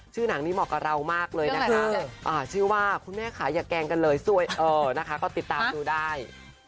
สื่อนางนี้เหมาะกับเรามากเลยนะคะคือการติดตามดูได้